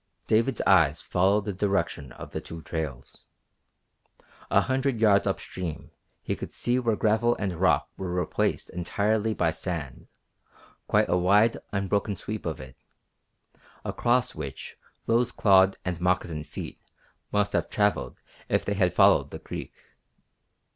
David's eyes followed the direction of the two trails. A hundred yards upstream he could see where gravel and rock were replaced entirely by sand, quite a wide, unbroken sweep of it, across which those clawed and moccasined feet must have travelled if they had followed the creek.